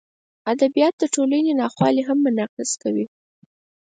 ادبیات د ټولنې ناخوالې هم منعکسوي.